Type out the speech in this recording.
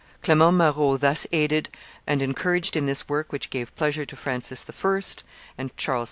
Clement Marot, thus aided and encouraged in this work which gave pleasure to Francis I. and Charles V.